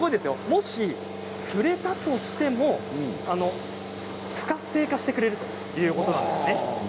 もし触れたとしては不活性化してくれるということです。